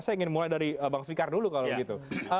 saya ingin mulai dari bang fikar dulu kalau gitu